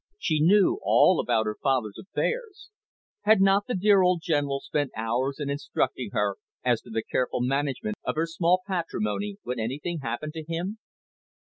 She knew all about her father's affairs. Had not the dear old General spent hours in instructing her as to the careful management of her small patrimony, when anything happened to him?